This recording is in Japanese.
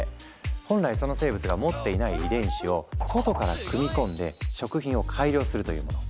本来その生物が持っていない遺伝子を外から組み込んで食品を改良するというもの。